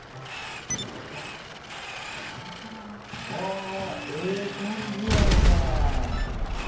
おええ感じやんか。